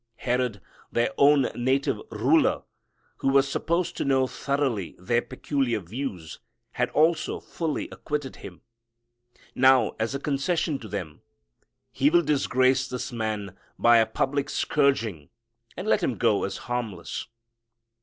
Herod, their own native ruler, who was supposed to know thoroughly their peculiar views, had also fully acquitted Him. Now, as a concession to them, he will disgrace this man by a public scourging and let him go as harmless.